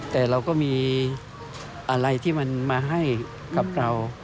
แต่เราก็มีอะไรที่มันมาให้กับเรา